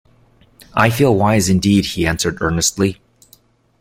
"I feel wise, indeed," he answered, earnestly.